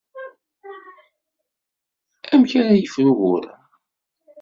Amek ara yefru ugur-a?